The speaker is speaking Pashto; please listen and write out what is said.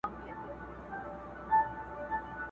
په زړه سخت لکه د غرونو ځناور وو.!